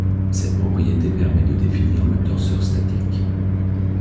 Cette propriété permet de définir le torseur statique.